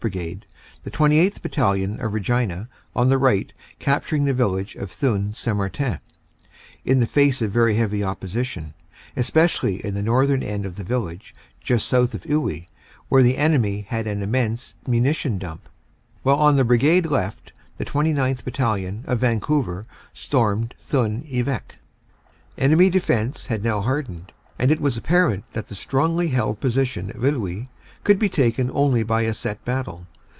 Brigade, the 28th. Battalion, of Regina, on the right capturing the village of Thun St. Martin, in the face of very heavy opposition, especially in the northern end of the village, just south of Iwuy, where the enemy had an immense munition dump; while on the Brigade left the 29th. Battalion, of Vancouver, stormed Thun 1 Eveque. Enemy defense had now hardened, and it was apparent that the strongly held position of Iwuy could be taken only by a set battle.